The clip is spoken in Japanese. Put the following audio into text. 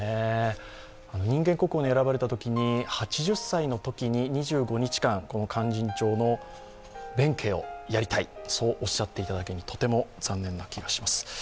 人間国宝に選ばれたときに８０歳のときに２５日間「勧進帳」の弁慶をやりたいと言っていただけにとても残念な気がします。